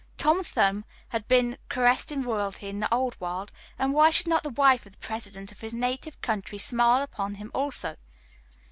Tom Thumb had been caressed by royalty in the Old World, and why should not the wife of the President of his native country smile upon him also?